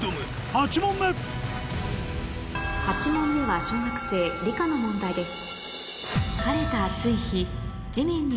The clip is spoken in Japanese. ８問目８問目は小学生理科の問題です